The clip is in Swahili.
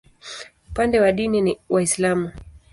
Upande wa dini ni Waislamu.